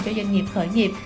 cho doanh nghiệp khởi nghiệp